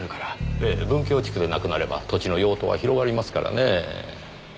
ええ文教地区でなくなれば土地の用途は広がりますからねぇ。